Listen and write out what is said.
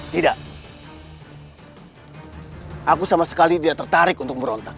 tidak aku sama sekali tidak tertarik untuk berontak